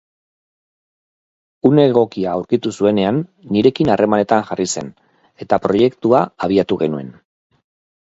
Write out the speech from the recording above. Une egokia aurkitu zuenean, nirekin harremanetan jarri zen eta proiektua abiatu genuen.